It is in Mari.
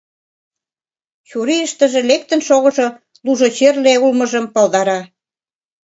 Чурийыштыже лектын шогышо лужо черле улмыжым палдара.